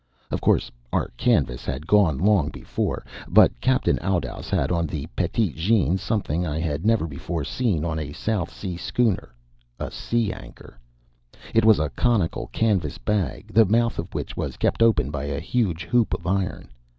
Of course, our canvas had gone long before. But Captain Oudouse had on the Petite Jeanne something I had never before seen on a South Sea schooner a sea anchor. It was a conical canvas bag, the mouth of which was kept open by a huge loop of iron.